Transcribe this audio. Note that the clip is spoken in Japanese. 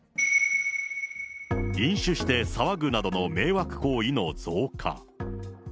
飲酒して騒ぐなどの迷惑行為の増加。